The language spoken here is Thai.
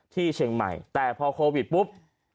ที่เชียงใหม่แต่พอโควิดปุ๊บ